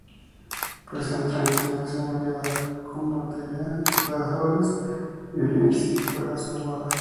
Presenta una instrumentación variada, como batería, sintetizadores, violines y cuerdas agudas.